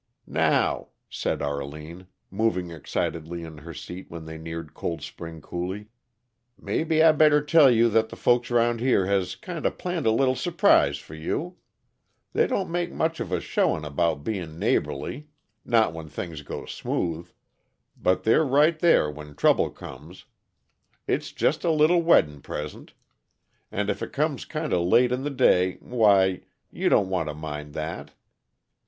"Now," said Arline, moving excitedly in her seat when they neared Cold Spring Coulee, "maybe I better tell you that the folks round here has kinda planned a little su'prise for you. They don't make much of a showin' about bein' neighborly not when things go smooth but they're right there when trouble comes. It's jest a little weddin' present and if it comes kinda late in the day, why, you don't want to mind that.